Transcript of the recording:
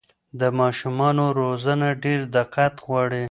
د ماشومانو روزنه ډېر دقت غواړي.